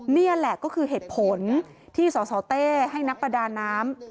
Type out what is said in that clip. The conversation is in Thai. นี่แหละก็คือเหตุผลที่สสเต้ให้นักประดาน้ำ